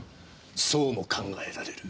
そうも考えられる。